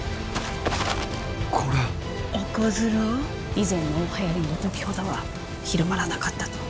以前の大はやりの時ほどは広まらなかったと。